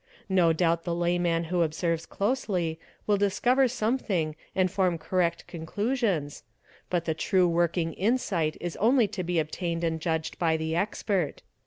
No £ doubt the layman who observes closely will discover something and form | correct conclusions, but the true working insight is only to be obtained | and judged by the expert.